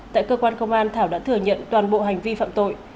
tại cơ quan công an thảo đã thừa nhận toàn bộ hành vi phạm tội